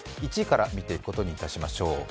１位から見ていくことにいたしましょう。